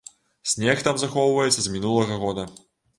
Снег там захоўваецца з мінулага года.